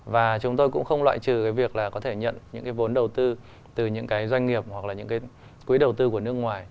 và chúng tôi cũng không loại trừ cái việc là có thể nhận những cái vốn đầu tư từ những cái doanh nghiệp hoặc là những cái quỹ đầu tư của nước ngoài